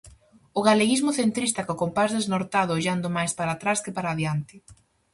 O galeguismo centrista co compás desnortado ollando máis para atrás que para adiante.